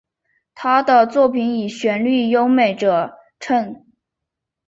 他的作品以旋律优美着称。